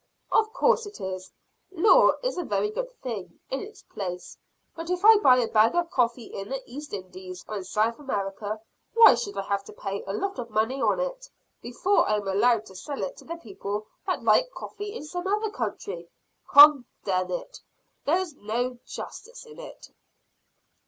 "Of course it is. Law is a very good thing in its place. But if I buy a bag of coffee in the East Indies or in South America, why should I have to pay a lot of money on it, before I am allowed to sell it to the people that like coffee in some other country? Condemn it! There's no justice in it."